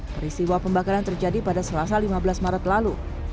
peristiwa pembakaran terjadi pada selasa lima belas maret lalu